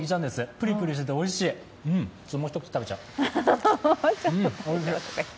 プリプリしていておいしい、もう一口食べちゃう。